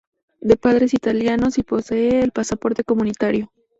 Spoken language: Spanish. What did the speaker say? De padres italianos y posee el pasaporte comunitario.